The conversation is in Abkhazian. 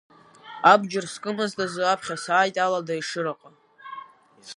Абџьар скымызт азы аԥхьа сааит Алада Ешыраҟа.